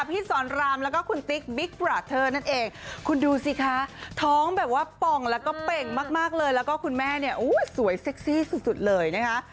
พี่สอนรามแล้วก็คุณติ๊กบิ๊กบราเทอร์นั่นเองคุณดูสิคะท้องแบบว่าป่องแล้วก็เป่งมากมากเลยแล้วก็คุณแม่เนี่ยสวยเซ็กซี่สุดเลยนะคะ